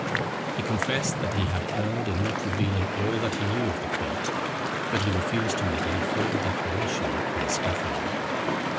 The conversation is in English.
He confessed that he had erred in not revealing all that he knew of the plot; but he refused to make any further declaration on the scaffold.